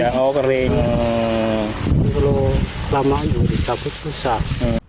kalau lama juga bisa tapi susah